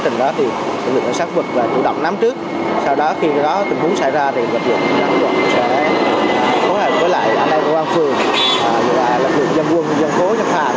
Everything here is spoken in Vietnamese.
sau đó khi tình huống xảy ra lực lượng dân quân dân phố dân phạm